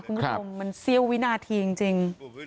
คุณพุทธมมันเซียววินาทีจริง